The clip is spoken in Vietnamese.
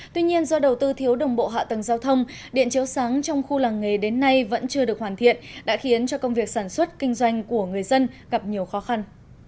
tuy nhiên do đầu tư thiếu đồng bộ hạ tầng giao thông điện chấu sáng trong khu làng nghề đến nay vẫn chưa được hoàn thiện đã khiến cho công việc sản xuất kinh doanh của người dân gặp nhiều khó khăn